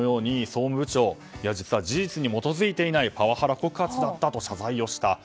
総務部長実は事実に基づいていないパワハラ告発だったと謝罪をした。